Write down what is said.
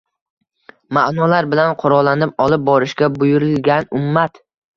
ma’nolar bilan qurollanib olib borishga buyurilgan ummat